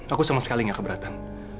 aku sama sekali nggak keberatan